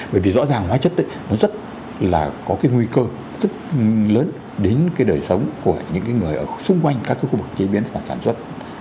bởi vì rõ ràng hóa chất nó rất là có cái nguy cơ rất lớn đến cái đời sống của những người ở xung quanh các cái khu vực chế biến và sản xuất